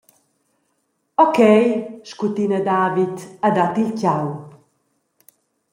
«Okay» scutina David e dat il tgau.